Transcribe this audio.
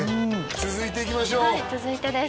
続いていきましょうはい続いてです